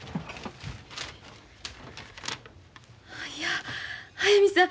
いや速水さん